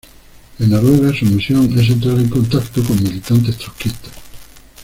En Noruega su misión es entrar en contacto con militantes trotskistas.